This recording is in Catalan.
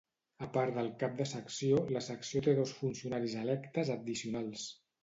A part del cap de secció, la secció té dos funcionaris electes addicionals.